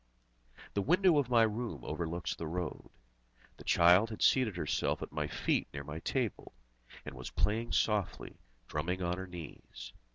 The window of my room overlooks the road. The child had seated herself at my feet near my table, and was playing softly, drumming on her knees.